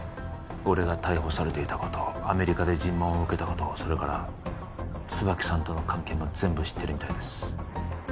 俺が逮捕されていたことアメリカで尋問を受けたことそれからツバキさんとの関係も全部知っているみたいです